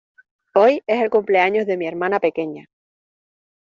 Hoy es el cumpleaños de mi hermana pequeña.